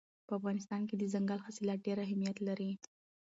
په افغانستان کې دځنګل حاصلات ډېر اهمیت لري.